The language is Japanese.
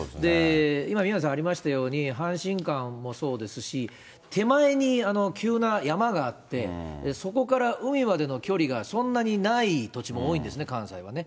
今、宮根さんありましたように、阪神間もそうですし、手前に急な山があって、そこから海までの距離がそんなにない土地も多いんですね、関西はね。